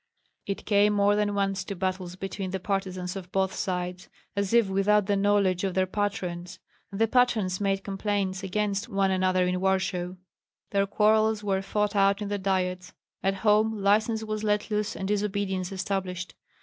It came more than once to battles between the partisans of both sides, as if without the knowledge of their patrons; and the patrons made complaints against one another in Warsaw. Their quarrels were fought out in the diets; at home license was let loose and disobedience established.